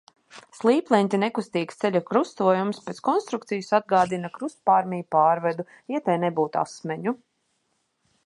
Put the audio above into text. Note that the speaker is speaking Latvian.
Slīpleņķa nekustīgs ceļa krustojums pēc konstrukcijas atgādina krustpārmiju pārvedu, ja tai nebūtu asmeņu.